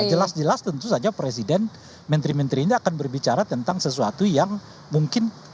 jelas jelas tentu saja presiden menteri menteri ini akan berbicara tentang sesuatu yang mungkin